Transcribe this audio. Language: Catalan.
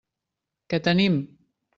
Què tenim?